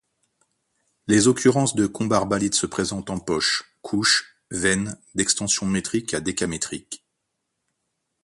Les occurrences de combarbalite se présentent en poches, couches, veines, d'extension métriques à décamétriques.